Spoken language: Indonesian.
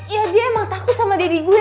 ya dia emang takut sama diri gue